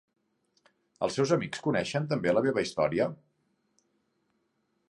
Els seus amics coneixen també la meva història?